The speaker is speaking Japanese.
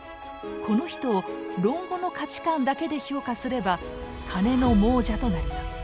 この人を「論語」の価値観だけで評価すれば金の亡者となります。